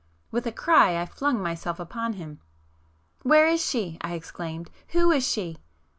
With a cry I flung myself upon him. "Where is she?" I exclaimed—"Who is she?"